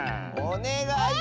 おねがい！